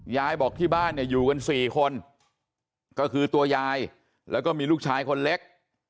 ยายบอกที่บ้านเนี่ยอยู่กัน๔คนก็คือตัวยายแล้วก็มีลูกชายคนเล็ก